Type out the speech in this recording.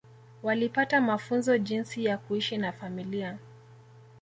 Walipata mafunzo jinsi ya kuishi na familia